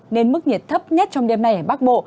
nên mức nhiệt thấp nhất trong đêm nay ở bắc bộ